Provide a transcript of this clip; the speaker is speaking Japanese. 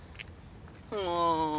もう。